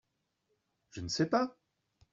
Je ne sais pas !